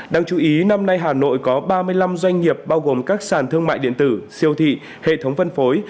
đáng chú ý năm nay hà nội có ba mươi năm doanh nghiệp bao gồm các sàn thương mại điện tử siêu thị hệ thống phân phối